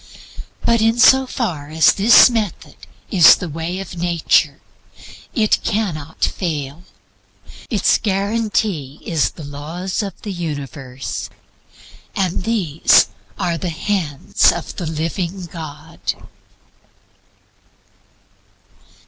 But in so far as this method is the way of nature, it cannot fail. Its guarantee is the laws of the universe and these are "the Hands of the Living God."